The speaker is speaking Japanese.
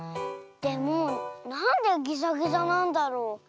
でもなんでぎざぎざなんだろう？